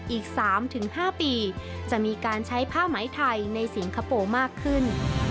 อีก๓๕ปีจะมีการใช้ผ้าไหมไทยในสิงคโปร์มากขึ้น